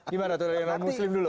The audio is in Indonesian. gimana tuh yang non muslim dulu